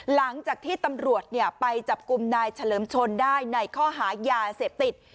หลังจากที่ตำรวจไปจับกลุ่มนายเฉลิมชนได้ในข้อหายาเสพติด